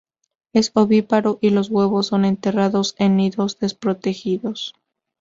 Es ovíparo y los huevos son enterrados en nidos desprotegidos.